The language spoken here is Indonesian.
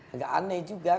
agak aneh juga